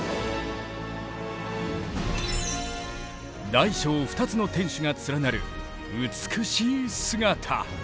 大小２つの天守が連なる美しい姿。